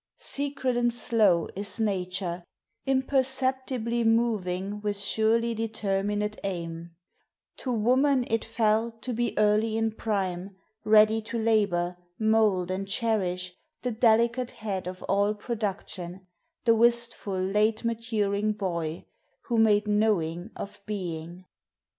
Secret and slow is Nature Imperceptibly moving With surely determinate aim: To woman it fell to be early in prime Ready to labour, mould, and cherish The delicate head of all Production The wistful late maturing boy Who made Knowing of Being.